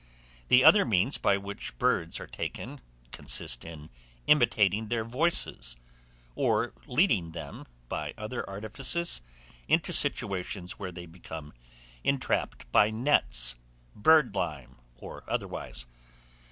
The other means by which birds are taken, consist in imitating their voices, or leading them, by other artifices, into situations where they become entrapped by nets, birdlime, or otherwise.